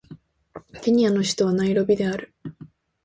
ケニアの首都はナイロビである